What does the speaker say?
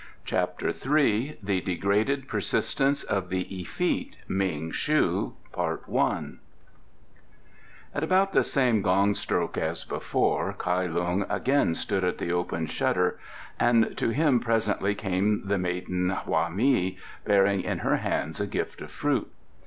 CHAPTER III The Degraded Persistence of the Effete Ming shu At about the same gong stroke as before, Kai Lung again stood at the open shutter, and to him presently came the maiden Hwa mei, bearing in her hands a gift of fruit.